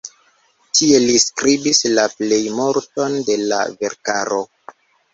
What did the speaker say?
Tie li skribis la plejmulton de la verkaro.